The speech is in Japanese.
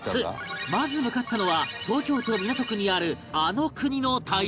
まず向かったのは東京都港区にあるあの国の大使館